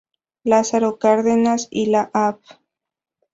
Lázaro Cárdenas y la Av.